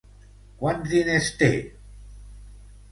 Quants diners té?